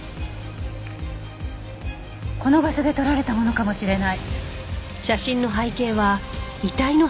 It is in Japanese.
この場所で撮られたものかもしれない。